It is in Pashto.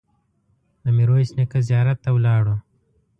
د میرویس نیکه زیارت ته ولاړو.